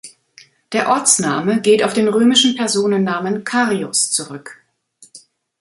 Der Ortsname geht auf den römischen Personennamen "Carius" zurück.